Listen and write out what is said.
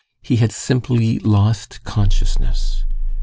He had simply lost consciousness.